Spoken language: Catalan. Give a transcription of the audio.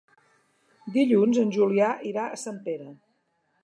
Dilluns en Julià irà a Sempere.